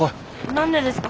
何でですか？